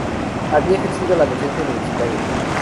Había ejercido la docencia universitaria.